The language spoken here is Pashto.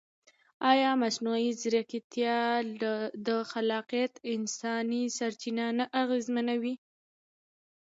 ایا مصنوعي ځیرکتیا د خلاقیت انساني سرچینه نه اغېزمنوي؟